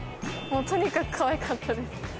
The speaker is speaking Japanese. とにかくかわいかったです。